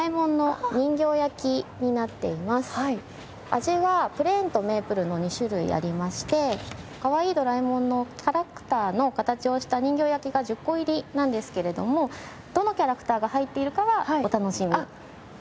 味はプレーンとメープルの２種類ありましてかわいい『ドラえもん』のキャラクターの形をした人形焼きが１０個入りなんですけれどもどのキャラクターが入っているかはお楽しみになっています。